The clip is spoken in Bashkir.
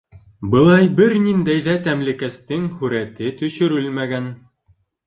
Былай бер ниндәй ҙә тәмлекәстең һүрәте төшөрөлмәгән...